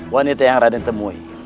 wanita yang raden temui